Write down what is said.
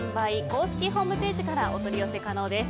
公式ホームページからお取り寄せ可能です。